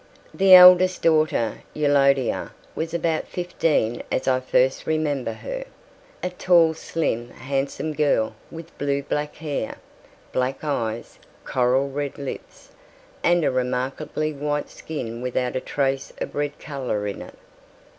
The eldest daughter, Eulodia, was about fifteen as I first remember her, a tall slim handsome girl with blue black hair, black eyes, coral red lips, and a remarkably white skin without a trace of red colour in it.